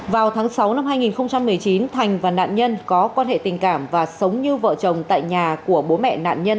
vào tháng sáu năm hai nghìn một mươi chín thành và nạn nhân có quan hệ tình cảm và sống như vợ chồng tại nhà của bố mẹ nạn nhân